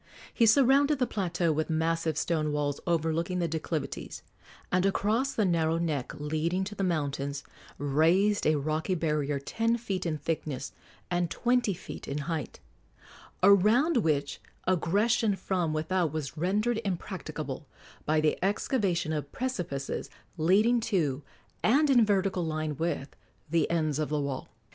He surrounded the plateau with massive stone walls overlooking the declivities, and across the narrow neck leading to the mountains raised a rocky barrier ten feet in thickness and twenty feet in height, around which aggression from without was rendered impracticable by the excavation of precipices leading to, and in vertical line with, the ends of the wall.